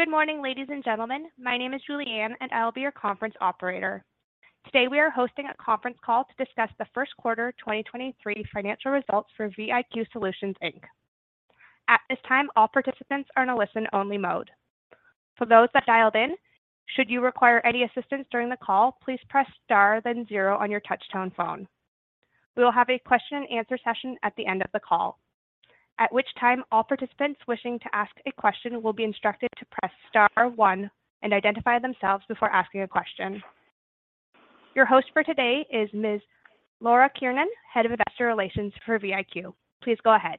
Good morning, ladies and gentlemen. My name is Julianne, and I'll be your conference operator. Today, we are hosting a conference call to discuss the Q1 2023 financial results for VIQ Solutions Inc. At this time, all participants are in a listen-only mode. For those that dialed in, should you require any assistance during the call, please press Star then zero on your touch tone phone. We will have a question and answer session at the end of the call, at which time all participants wishing to ask a question will be instructed to press Star one and identify themselves before asking a question. Your host for today is Ms. Laura Kiernan, Head of Investor Relations for VIQ. Please go ahead.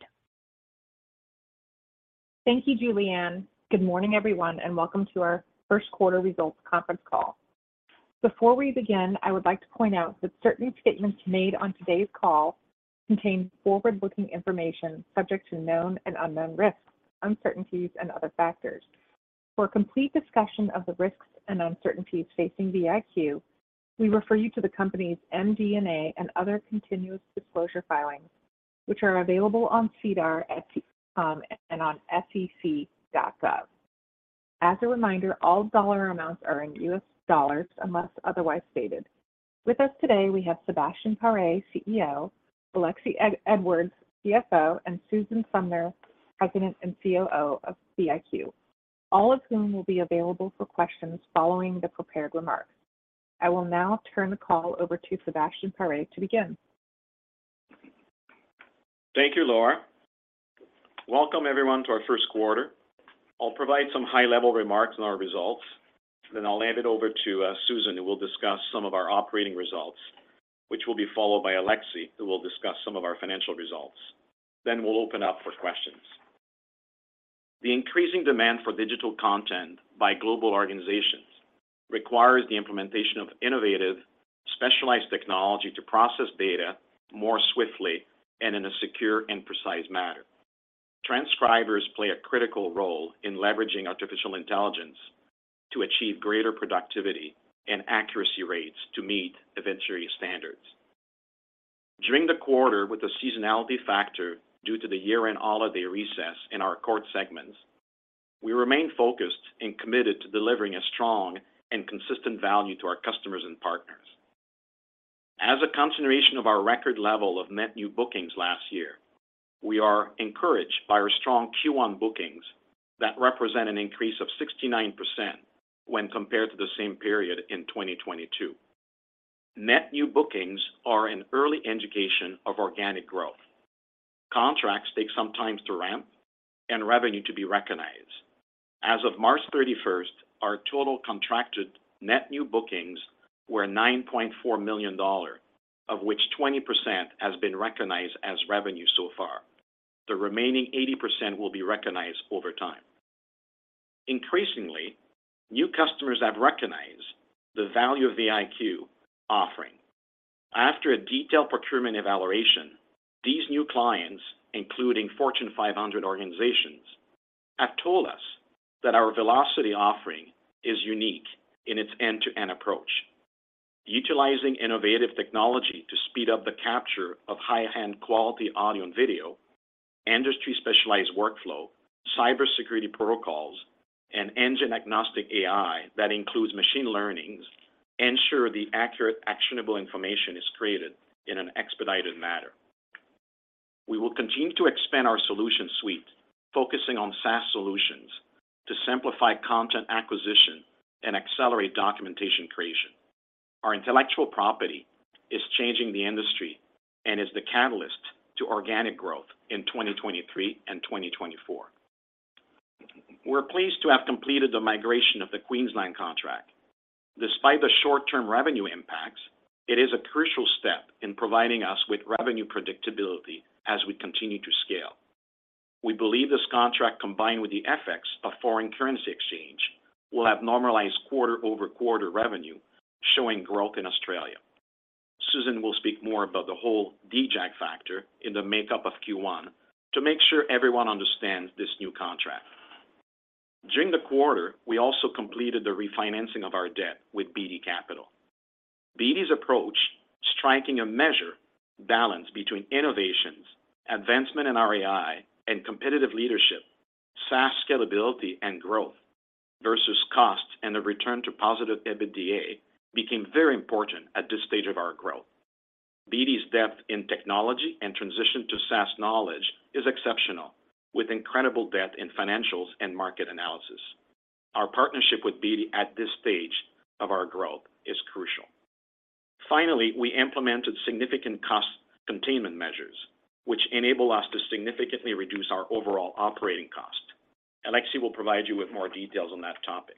Thank you, Julianne. Good morning, everyone, and welcome to our Q1 results conference call. Before we begin, I would like to point out that certain statements made on today's call contain forward-looking information subject to known and unknown risks, uncertainties and other factors. For a complete discussion of the risks and uncertainties facing VIQ, we refer you to the company's MD&A and other continuous disclosure filings, which are available on SEDAR+ and on sec.gov. As a reminder, all dollar amounts are in US dollars unless otherwise stated. With us today, we have Sébastien Paré, CEO, Alexie Edwards, CFO, and Susan Sumner, President and COO of VIQ. All of whom will be available for questions following the prepared remarks. I will now turn the call over to Sébastien Paré to begin. Thank you, Laura. Welcome everyone to our Q1. I'll provide some high-level remarks on our results, then I'll hand it over to Susan, who will discuss some of our operating results, which will be followed by Alexie, who will discuss some of our financial results. We'll open up for questions. The increasing demand for digital content by global organizations requires the implementation of innovative, specialized technology to process data more swiftly and in a secure and precise manner. Transcribers play a critical role in leveraging artificial intelligence to achieve greater productivity and accuracy rates to meet evidentiary standards. During the quarter, with the seasonality factor due to the year-end holiday recess in our core segments, we remain focused and committed to delivering a strong and consistent value to our customers and partners. As a continuation of our record level of net new bookings last year, we are encouraged by our strong Q1 bookings that represent an increase of 69% when compared to the same period in 2022. Net new bookings are an early indication of organic growth. Contracts take some time to ramp and revenue to be recognized. As of March 31st, our total contracted net new bookings were $9.4 million, of which 20% has been recognized as revenue so far. The remaining 80% will be recognized over time. Increasingly, new customers have recognized the value of VIQ offering. After a detailed procurement evaluation, these new clients, including Fortune 500 organizations, have told us that our Velocity offering is unique in its end-to-end approach. Utilizing innovative technology to speed up the capture of high-end quality audio and video, industry-specialized workflow, cybersecurity protocols, and engine-agnostic AI that includes machine learnings ensure the accurate, actionable information is created in an expedited manner. We will continue to expand our solution suite, focusing on SaaS solutions to simplify content acquisition and accelerate documentation creation. Our intellectual property is changing the industry and is the catalyst to organic growth in 2023 and 2024. We're pleased to have completed the migration of the Queensland contract. Despite the short-term revenue impacts, it is a crucial step in providing us with revenue predictability as we continue to scale. We believe this contract, combined with the effects of foreign currency exchange, will have normalized quarter-over-quarter revenue, showing growth in Australia. Susan will speak more about the whole DJAG factor in the makeup of Q1 to make sure everyone understands this new contract. During the quarter, we also completed the refinancing of our debt with Beedie Capital. Beedie's approach, striking a measure balance between innovations, advancement in our AI, and competitive leadership, SaaS scalability, and growth versus cost, and a return to positive EBITDA became very important at this stage of our growth. Beedie's depth in technology and transition to SaaS knowledge is exceptional, with incredible depth in financials and market analysis. Our partnership with Beedie at this stage of our growth is crucial. We implemented significant cost containment measures, which enable us to significantly reduce our overall operating cost. Alexie will provide you with more details on that topic.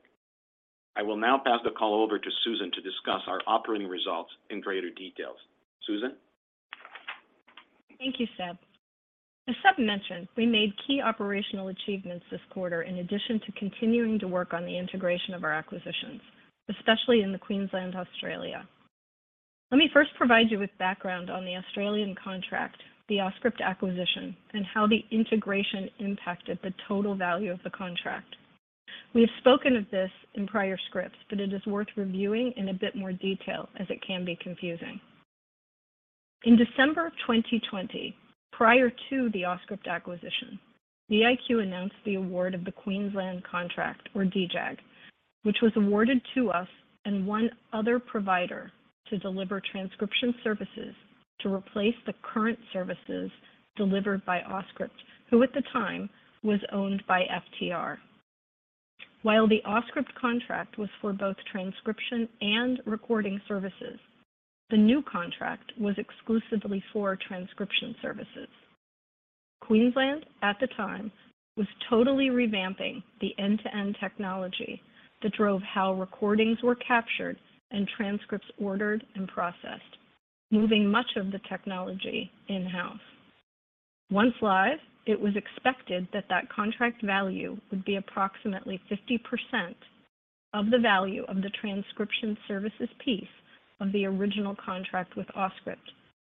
I will now pass the call over to Susan to discuss our operating results in greater details. Susan? Thank you, Seb. As Seb mentioned, we made key operational achievements this quarter in addition to continuing to work on the integration of our acquisitions, especially in Queensland, Australia. Let me first provide you with background on the Australian contract, the Auscript acquisition, and how the integration impacted the total value of the contract. We have spoken of this in prior scripts, but it is worth reviewing in a bit more detail as it can be confusing. In December of 2020, prior to the Auscript acquisition, VIQ announced the award of the Queensland contract or DJAG, which was awarded to us and 1 other provider to deliver transcription services to replace the current services delivered by Auscript, who at the time was owned by FTR. While the Auscript contract was for both transcription and recording services, the new contract was exclusively for transcription services. Queensland at the time was totally revamping the end-to-end technology that drove how recordings were captured and transcripts ordered and processed, moving much of the technology in-house. Once live, it was expected that that contract value would be approximately 50% of the value of the transcription services piece of the original contract with Auscript,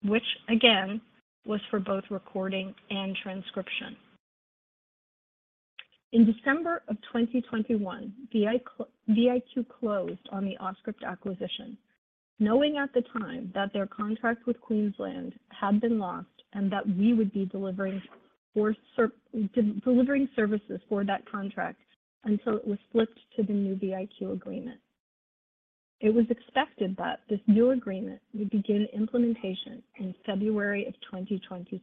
which again was for both recording and transcription. In December of 2021, VIQ closed on the Auscript acquisition, knowing at the time that their contract with Queensland had been lost and that we would be delivering services for that contract until it was flipped to the new VIQ agreement. It was expected that this new agreement would begin implementation in February of 2022,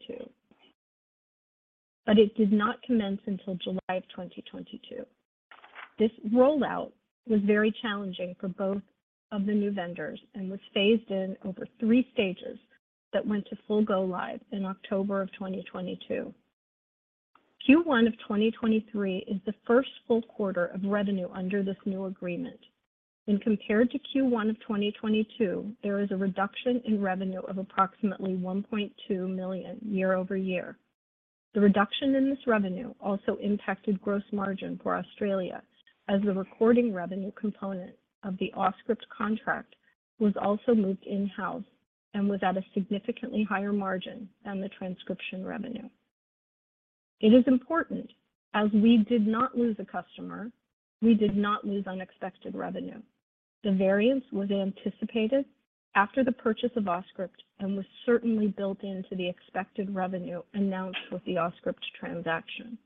but it did not commence until July of 2022. This rollout was very challenging for both of the new vendors and was phased in over three stages that went to full go live in October of 2022. Q1 of 2023 is the first full quarter of revenue under this new agreement. When compared to Q1 of 2022, there is a reduction in revenue of approximately $1.2 million year-over-year. The reduction in this revenue also impacted gross margin for Australia as the recording revenue component of the Auscript contract was also moved in-house and was at a significantly higher margin than the transcription revenue. It is important as we did not lose a customer, we did not lose unexpected revenue. The variance was anticipated after the purchase of Auscript and was certainly built into the expected revenue announced with the Auscript transaction.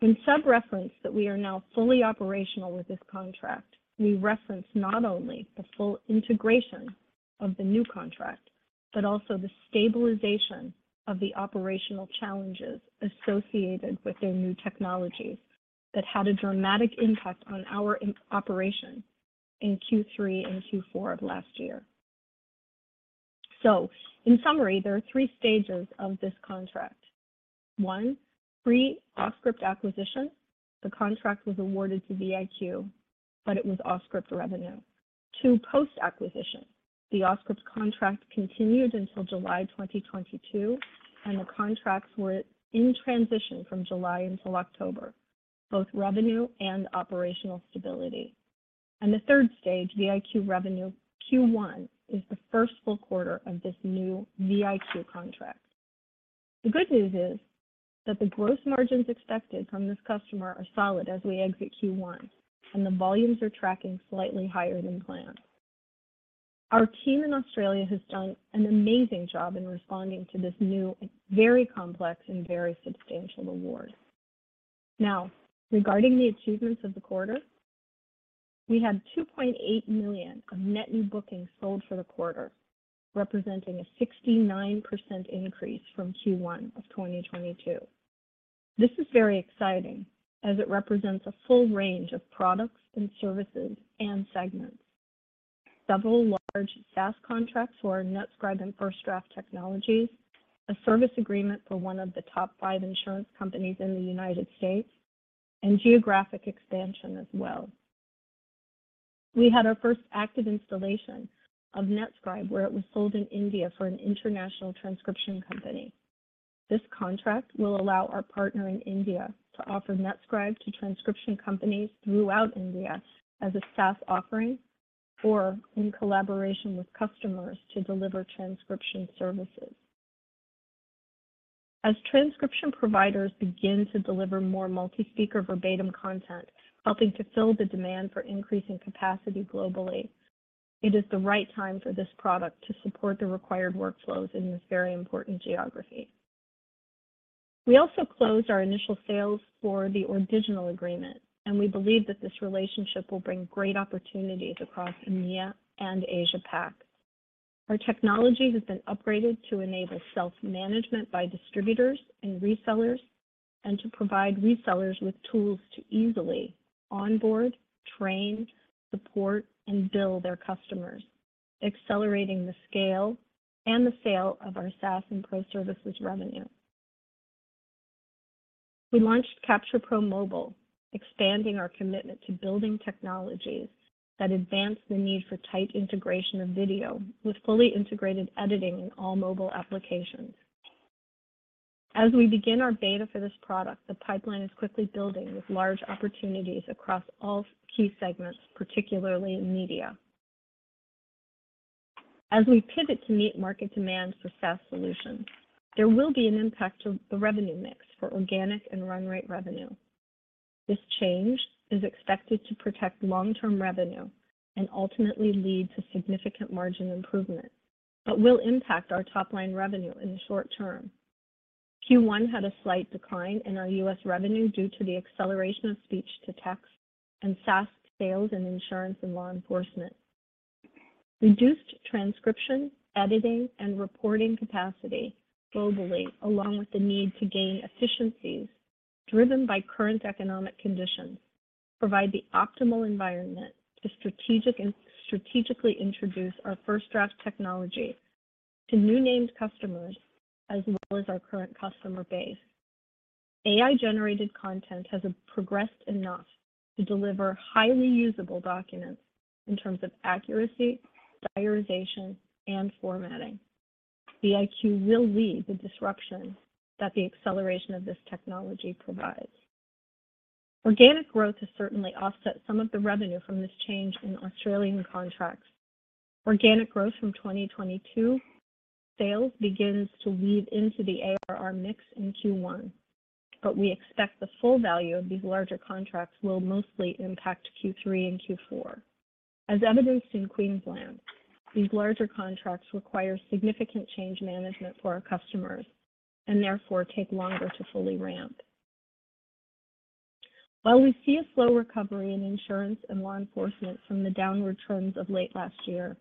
In sub-reference that we are now fully operational with this contract, we reference not only the full integration of the new contract, but also the stabilization of the operational challenges associated with their new technologies that had a dramatic impact on our operations in Q3 and Q4 of last year. In summary, there are three stages of this contract. One, pre-Auscript acquisition. The contract was awarded to VIQ, but it was Auscript revenue. Two, post-acquisition. The Auscript contract continued until July 2022, and the contracts were in transition from July until October, both revenue and operational stability. The third stage, VIQ revenue Q1, is the first full quarter of this new VIQ contract. The good news is that the gross margins expected from this customer are solid as we exit Q1, and the volumes are tracking slightly higher than planned. Our team in Australia has done an amazing job in responding to this new and very complex and very substantial award. Regarding the achievements of the quarter, we had $2.8 million of net new bookings sold for the quarter, representing a 69% increase from Q1 of 2022. This is very exciting as it represents a full range of products and services and segments. Several large SaaS contracts for NetScribe and FirstDraft technologies, a service agreement for one of the top five insurance companies in the United States, and geographic expansion as well. We had our first active installation of NetScribe, where it was sold in India for an international transcription company. This contract will allow our partner in India to offer NetScribe to transcription companies throughout India as a SaaS offering or in collaboration with customers to deliver transcription services. As transcription providers begin to deliver more multi-speaker verbatim content, helping to fill the demand for increasing capacity globally, it is the right time for this product to support the required workflows in this very important geography. We also closed our initial sales for the ORdigiNAL agreement, and we believe that this relationship will bring great opportunities across EMEA and Asia Pac. Our technology has been upgraded to enable self-management by distributors and resellers, and to provide resellers with tools to easily onboard, train, support, and bill their customers, accelerating the scale and the sale of our SaaS and pro services revenue. We launched CapturePro Mobile, expanding our commitment to building technologies that advance the need for tight integration of video with fully integrated editing in all mobile applications. As we begin our beta for this product, the pipeline is quickly building with large opportunities across all key segments, particularly in media. As we pivot to meet market demand for SaaS solutions, there will be an impact to the revenue mix for organic and run rate revenue. This change is expected to protect long-term revenue and ultimately lead to significant margin improvement, but will impact our top-line revenue in the short term. Q1 had a slight decline in our U.S. revenue due to the acceleration of speech-to-text and SaaS sales and insurance and law enforcement. Reduced transcription, editing, and reporting capacity globally, along with the need to gain efficiencies driven by current economic conditions, provide the optimal environment to strategically introduce our FirstDraft technology to new named customers as well as our current customer base. AI-generated content has progressed enough to deliver highly usable documents in terms of accuracy, diarization, and formatting. VIQ will lead the disruption that the acceleration of this technology provides. Organic growth has certainly offset some of the revenue from this change in Australian contracts. Organic growth from 2022 sales begins to weave into the ARR mix in Q1, we expect the full value of these larger contracts will mostly impact Q3 and Q4. As evidenced in Queensland, these larger contracts require significant change management for our customers and therefore take longer to fully ramp. While we see a slow recovery in insurance and law enforcement from the downward trends of late last year,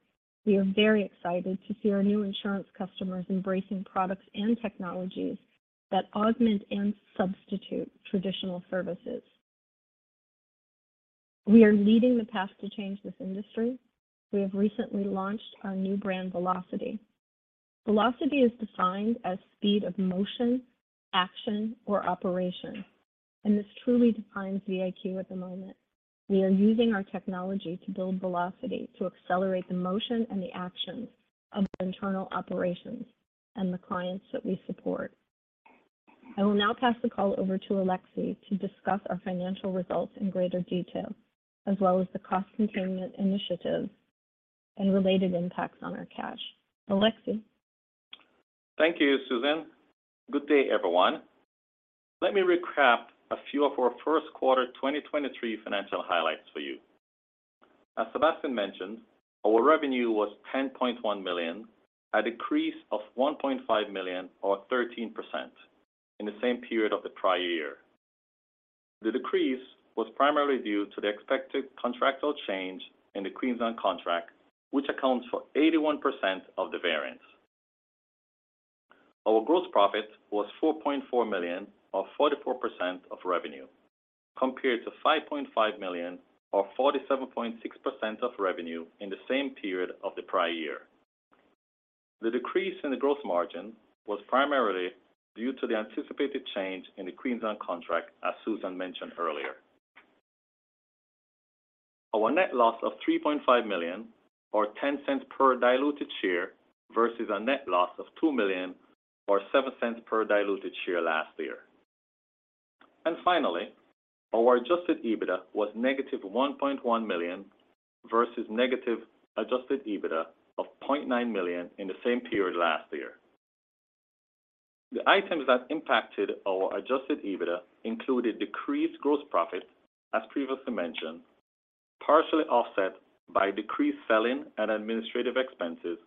we are very excited to see our new insurance customers embracing products and technologies that augment and substitute traditional services. We are leading the path to change this industry. We have recently launched our new brand, Velocity. Velocity is defined as speed of motion, action, or operation, and this truly defines VIQ at the moment. We are using our technology to build velocity to accelerate the motion and the actions of the internal operations and the clients that we support. I will now pass the call over to Alexie to discuss our financial results in greater detail, as well as the cost containment initiatives and related impacts on our cash. Alexie? Thank you, Susan. Good day, everyone. Let me recap a few of our Q1 2023 financial highlights for you. As Sébastien mentioned, our revenue was $10.1 million, a decrease of $1.5 million or 13% in the same period of the prior year. The decrease was primarily due to the expected contractual change in the Queensland contract, which accounts for 81% of the variance. Our gross profit was $4.4 million or 44% of revenue, compared to $5.5 million or 47.6% of revenue in the same period of the prior year. The decrease in the gross margin was primarily due to the anticipated change in the Queensland contract, as Susan mentioned earlier. Our net loss of $3.5 million or $0.10 per diluted share versus a net loss of $2 million or $0.07 per diluted share last year. Finally, our adjusted EBITDA was negative $1.1 million versus negative adjusted EBITDA of $0.9 million in the same period last year. The items that impacted our adjusted EBITDA included decreased gross profit, as previously mentioned, partially offset by decreased selling and administrative expenses,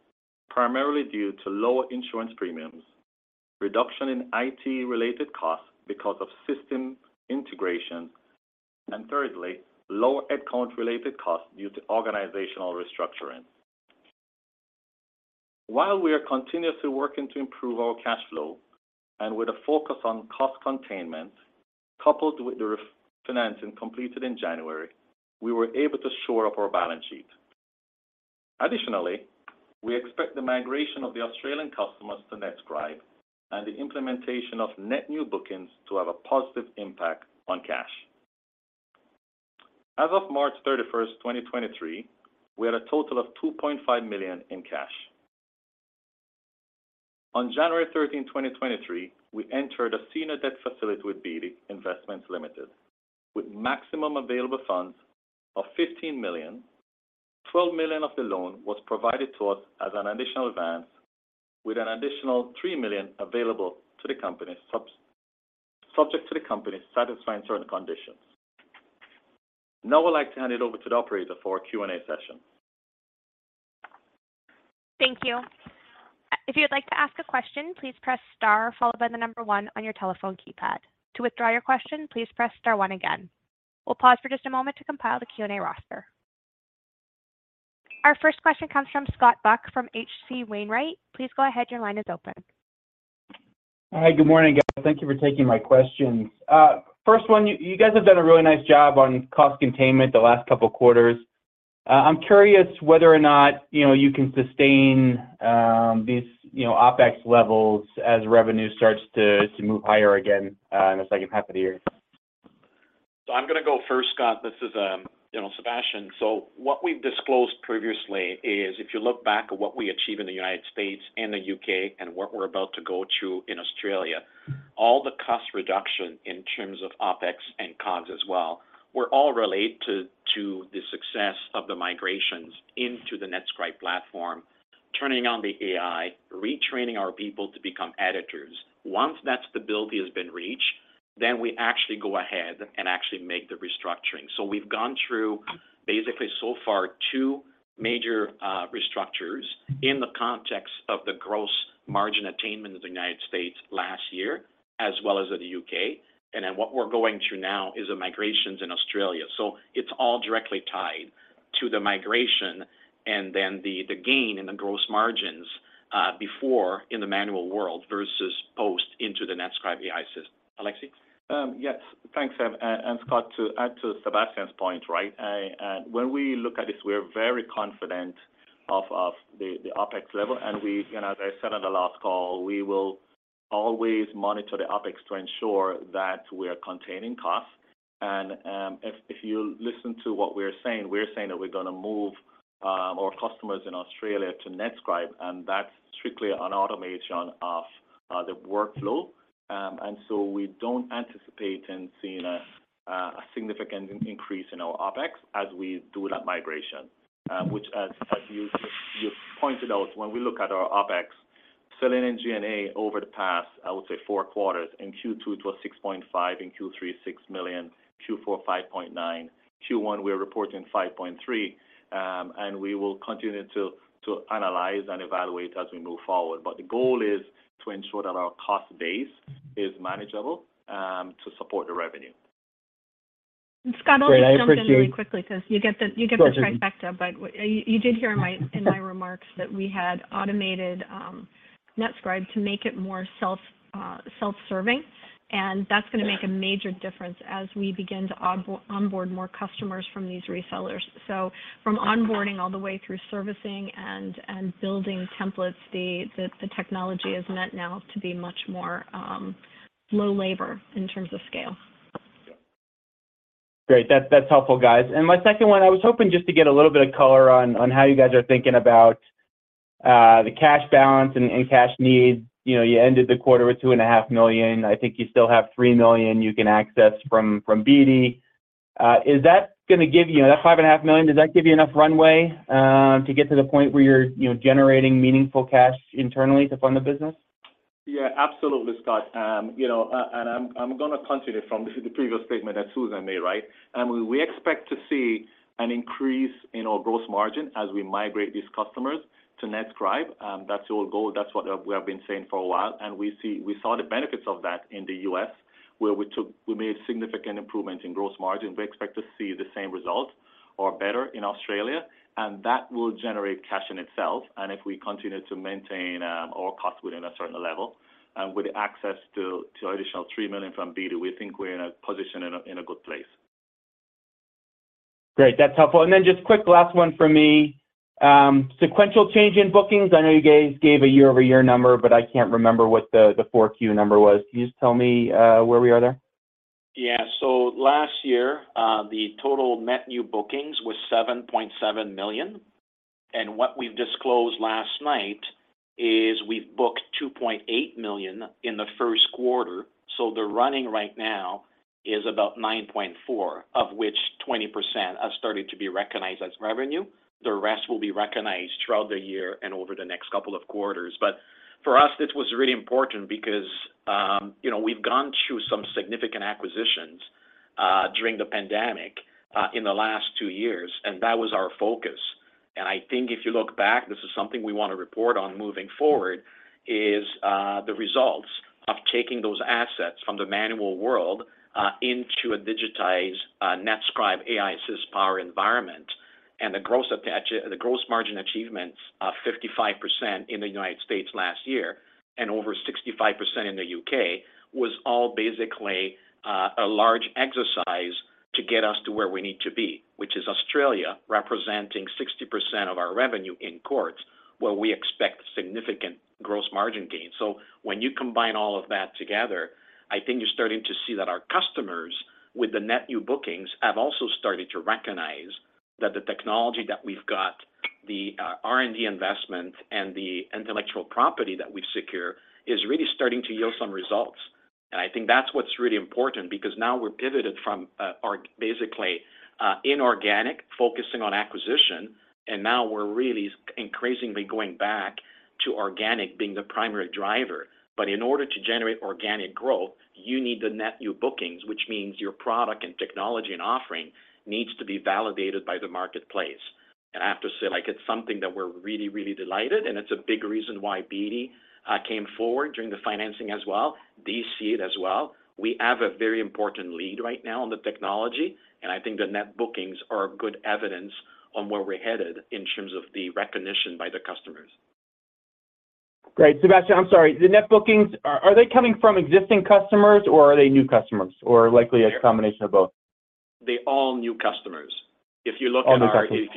primarily due to lower insurance premiums, reduction in IT-related costs because of system integration, and thirdly, lower headcount-related costs due to organizational restructuring. While we are continuously working to improve our cash flow and with a focus on cost containment, coupled with the refinancing completed in January, we were able to shore up our balance sheet. Additionally, we expect the migration of the Australian customers to NetScribe and the implementation of net new bookings to have a positive impact on cash. As of 31 March 2023, we had a total of $2.5 million in cash. On 13 January 2023, we entered a senior debt facility with Beedie Investments Limited with maximum available funds of $15 million. $12 million of the loan was provided to us as an additional advance with an additional $3 million available to the company subject to the company satisfying certain conditions. I'd like to hand it over to the operator for our Q&A session. Thank you. If you'd like to ask a question, please press star followed by the number one on your telephone keypad. To withdraw your question, please press star one again. We'll pause for just a moment to compile the Q&A roster. Our first question comes from Scott Buck from H.C. Wainwright. Please go ahead. Your line is open. Hi, good morning, guys. Thank you for taking my questions. first one, you guys have done a really nice job on cost containment the last couple of quarters. I'm curious whether or not, you know, you can sustain, these, you know, OpEx levels as revenue starts to move higher again, in the second half of the year. I'm gonna go first, Scott. This is, you know, Sebastien. What we've disclosed previously is if you look back at what we achieved in the United States and the UK and what we're about to go through in Australia, all the cost reduction in terms of OpEx and COGS as well relate to the success of the migrations into the NetScribe platform, turning on the AI, retraining our people to become editors. Once that stability has been reached, then we actually go ahead and actually make the restructuring. We've gone through basically so far, two major restructures in the context of the gross margin attainment of the United States last year, as well as the UK. What we're going through now is the migrations in Australia. It's all directly tied to the migration and then the gain in the gross margins, before in the manual world versus post into the NetScribe AI system. Alexie? Yes. Thanks, Scott, to add to Sébastien's point, right? When we look at this, we're very confident of the OpEx level. As I said on the last call, we will always monitor the OpEx to ensure that we're containing costs. If you listen to what we're saying, we're saying that we're gonna move our customers in Australia to NetScribe, and that's strictly an automation of the workflow. We don't anticipate in seeing a significant increase in our OpEx as we do that migration, which as you pointed out, when we look at our OpEx, selling and G&A over the past, I would say four quarters. In Q2, it was $6.5, in Q3, $6 million, Q4, $5.9. Q1, we're reporting $5.3. We will continue to analyze and evaluate as we move forward. The goal is to ensure that our cost base is manageable, to support the revenue. Scott, let me jump in really quickly because you get the trifecta. You did hear in my remarks that we had automated NetScribe to make it more self-serving, and that's gonna make a major difference as we begin to onboard more customers from these resellers. From onboarding all the way through servicing and building templates, the technology is meant now to be much more low labor in terms of scale. Great. That's helpful, guys. My second one, I was hoping just to get a little bit of color on how you guys are thinking about the cash balance and cash needs. You know, you ended the quarter with $2.5 million. I think you still have $3 million you can access from BD. That $5.5 million, does that give you enough runway to get to the point where you're generating meaningful cash internally to fund the business? Yeah, absolutely, Scott. You know, I'm gonna continue from the previous statement that Susan made, right? We expect to see an increase in our gross margin as we migrate these customers to NetScribe. That's our goal. That's what we have been saying for a while. We saw the benefits of that in the US, where we made significant improvements in gross margin. We expect to see the same result or better in Australia. That will generate cash in itself. If we continue to maintain our cost within a certain level, with access to additional $3 million from BD, we think we're in a good place. Great. That's helpful. Just quick last one from me. Sequential change in bookings. I know you guys gave a year-over-year number, but I can't remember what the 4Q number was. Can you just tell me where we are there? Yeah. Last year, the total net new bookings was $7.7 million. What we've disclosed last night is we've booked $2.8 million in the Q1. The running right now is about $9.4 million, of which 20% are starting to be recognized as revenue. The rest will be recognized throughout the year and over the next couple of quarters. For us, this was really important because, you know, we've gone through some significant acquisitions during the pandemic in the last two years, and that was our focus. I think if you look back, this is something we wanna report on moving forward, is the results of taking those assets from the manual world into a digitized NetScribe AI-assist power environment. The gross margin achievements of 55% in the US last year and over 65% in the U.K. was all basically a large exercise to get us to where we need to be, which is Australia representing 60% of our revenue in courts, where we expect significant gross margin gains. When you combine all of that together, I think you're starting to see that our customers with the net new bookings have also started to recognize that the technology that we've got, the R&D investment and the intellectual property that we've secured is really starting to yield some results. I think that's what's really important because now we're pivoted from basically inorganic, focusing on acquisition, and now we're really increasingly going back to organic being the primary driver. In order to generate organic growth, you need the net new bookings, which means your product and technology and offering needs to be validated by the marketplace. I have to say, like, it's something that we're really delighted, and it's a big reason why BD came forward during the financing as well. They see it as well. We have a very important lead right now on the technology, and I think the net bookings are good evidence on where we're headed in terms of the recognition by the customers. Great. Sébastien, I'm sorry. The net bookings, are they coming from existing customers or are they new customers or likely a combination of both? They're all new customers. If you look at. All new customers.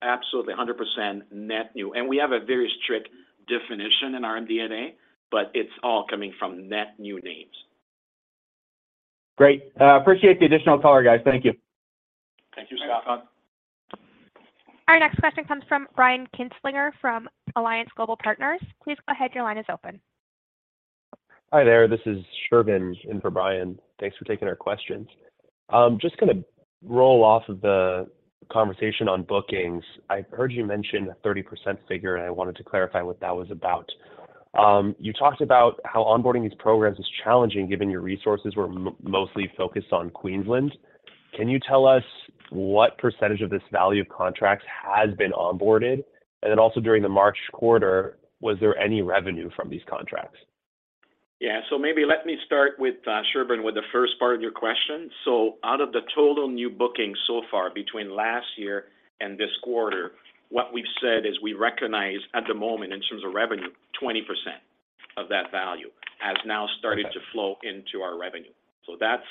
Absolutely, 100% net new. We have a very strict definition in our MD&A, but it's all coming from net new names. Great. Appreciate the additional color, guys. Thank you. Thank you, Scott. Our next question comes from Brian Kinstlinger from Alliance Global Partners. Please go ahead. Your line is open. Hi there. This is Shervin in for Brian. Thanks for taking our questions. Just gonna roll off of the conversation on bookings. I heard you mention a 30% figure, and I wanted to clarify what that was about. You talked about how onboarding these programs is challenging given your resources were mostly focused on Queensland. Can you tell us what percentage of this value of contracts has been onboarded? Also during the March quarter, was there any revenue from these contracts? Yeah. Maybe let me start with Shervin, with the first part of your question. Out of the total new bookings so far between last year and this quarter, what we've said is we recognize at the moment in terms of revenue, 20% of that value has now started to flow into our revenue. That's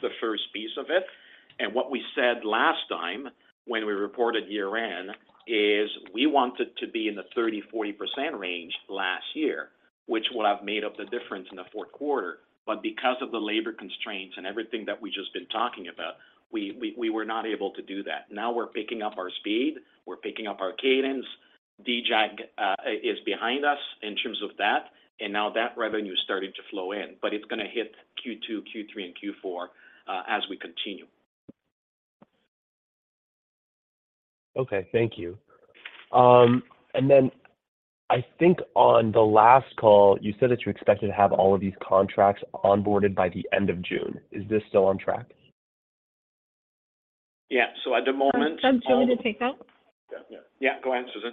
the first piece of it. What we said last time when we reported year-end is we wanted to be in the 30%-40% range last year, which would have made up the difference in the Q4. Because of the labor constraints and everything that we've just been talking about, we were not able to do that. Now we're picking up our speed, we're picking up our cadence. DJAG is behind us in terms of that, and now that revenue is starting to flow in. It's gonna hit Q2, Q3, and Q4 as we continue. Okay. Thank you. I think on the last call, you said that you expected to have all of these contracts onboarded by the end of June. Is this still on track? Yeah. Do you want me to take that? Yeah. Yeah. Go ahead, Susan.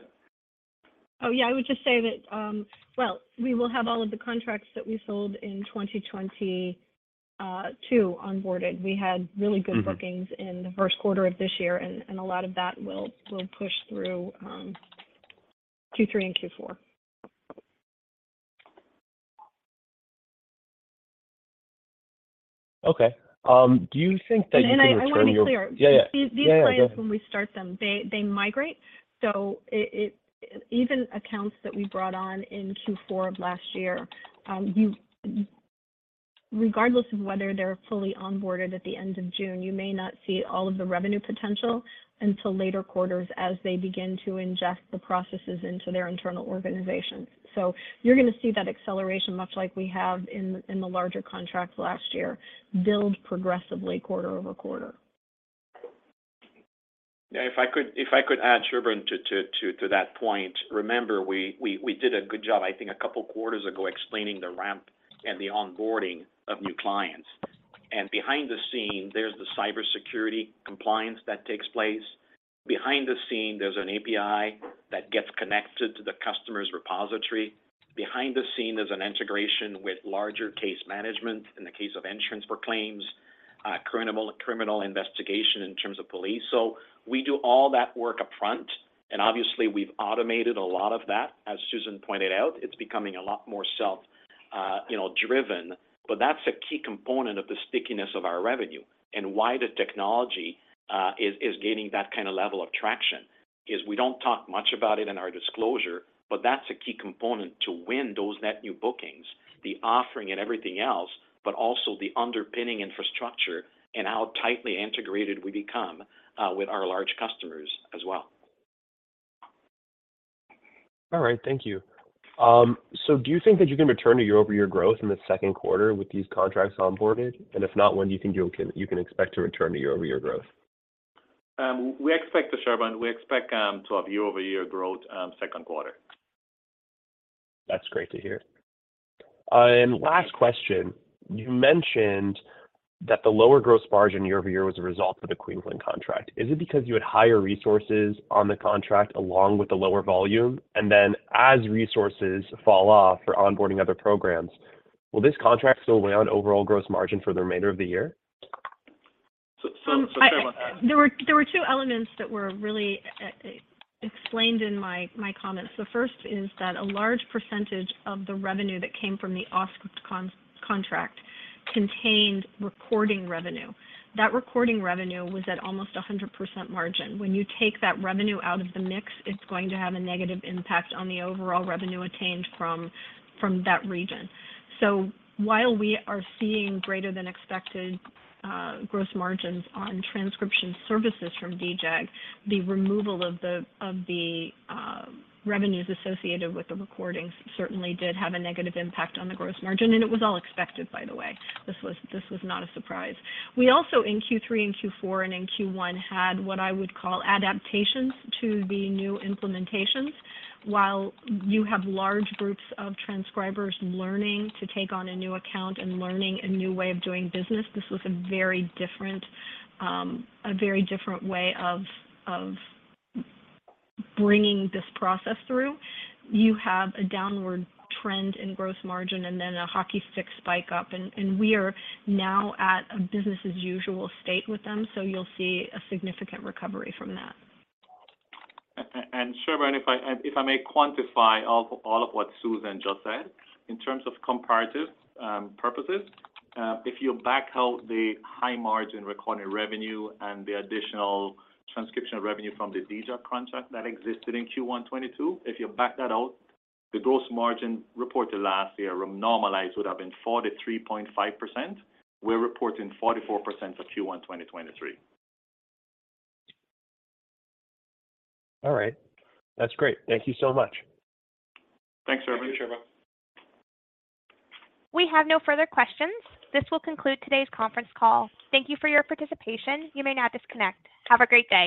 Oh, yeah. I would just say that, well, we will have all of the contracts that we sold in 2022 onboarded. Mm-hmm... bookings in the Q1 of this year, and a lot of that will push through, Q3 and Q4. Okay. Do you think that you can return? I wanna be clear. Yeah, yeah. These clients. Yeah. Go ahead... when we start them, they migrate. Even accounts that we brought on in Q4 of last year, Regardless of whether they're fully onboarded at the end of June, you may not see all of the revenue potential until later quarters as they begin to ingest the processes into their internal organization. You're gonna see that acceleration, much like we have in the larger contracts last year, build progressively quarter-over-quarter. Yeah. If I could add, Shervin, to that point. Remember, we did a good job I think a couple quarters ago explaining the ramp and the onboarding of new clients. Behind the scene, there's the cybersecurity compliance that takes place. Behind the scene, there's an API that gets connected to the customer's repository. Behind the scene, there's an integration with larger case management in the case of insurance for claims, criminal investigation in terms of police. We do all that work up front, and obviously we've automated a lot of that. As Susan pointed out, it's becoming a lot more self, you know, driven. That's a key component of the stickiness of our revenue and why the technology is gaining that kind of level of traction, is we don't talk much about it in our disclosure, but that's a key component to win those net new bookings, the offering and everything else, but also the underpinning infrastructure and how tightly integrated we become with our large customers as well. All right. Thank you. Do you think that you can return to year-over-year growth in the Q2 with these contracts onboarded? If not, when do you think you'll you can expect to return to year-over-year growth? We expect, Shervin, to have year-over-year growth, Q2. That's great to hear. Last question. You mentioned that the lower gross margin year-over-year was a result of the Queensland contract. Is it because you had higher resources on the contract along with the lower volume? Then as resources fall off for onboarding other programs, will this contract still weigh on overall gross margin for the remainder of the year? Shervin. There were two elements that were really explained in my comments. The first is that a large percentage of the revenue that came from the Auscript contract contained recording revenue. That recording revenue was at almost a 100% margin. When you take that revenue out of the mix, it's going to have a negative impact on the overall revenue attained from that region. While we are seeing greater than expected gross margins on transcription services from DJAG, the removal of the revenues associated with the recordings certainly did have a negative impact on the gross margin, and it was all expected, by the way. This was not a surprise. We also in Q3 and Q4 and in Q1 had what I would call adaptations to the new implementations. While you have large groups of transcribers learning to take on a new account and learning a new way of doing business, this was a very different, a very different way of bringing this process through. You have a downward trend in gross margin and then a hockey stick spike up. We are now at a business as usual state with them, so you'll see a significant recovery from that. Shervin, if I may quantify all of what Susan just said. In terms of comparative purposes, if you back out the high margin recording revenue and the additional transcription revenue from the DJAG contract that existed in Q1 2022, if you back that out, the gross margin reported last year normalized would have been 43.5%. We're reporting 44% for Q1 2023. All right. That's great. Thank you so much. Thanks, Shervin. We have no further questions. This will conclude today's conference call. Thank you for your participation. You may now disconnect. Have a great day.